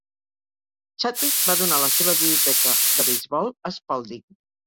Chadwick va donar la seva biblioteca de beisbol a Spalding.